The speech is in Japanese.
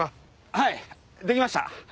はいできました。